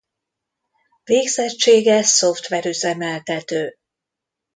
Végzettsége szoftver-üzemeltető.